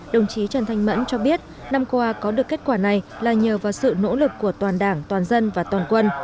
đồng chí trần thanh mẫn cho biết năm qua có được kết quả này là nhờ vào sự nỗ lực của toàn đảng toàn dân và toàn quân